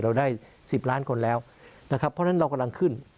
เราได้๑๐ล้านคนแล้วนะครับเพราะฉะนั้นเรากำลังขึ้น